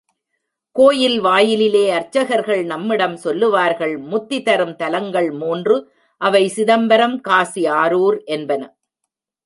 கோயில் வாயிலிலே அர்ச்சகர்கள் நம்மிடம் சொல்லுவார்கள் முத்தி தரும் தலங்கள் மூன்று, அவை சிதம்பரம், காசி, ஆரூர் என்பன.